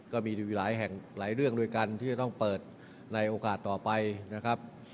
ก็มีหลายแห่งหลายเรื่องด้วยกันที่จะต้องเปิดในโอกาสต่อไปนะครับ